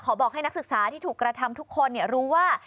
บอกให้นักศึกษาที่ถูกกระทำทุกคนรู้ว่า